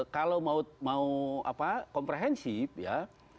kalau mau mau apa komprehensif ya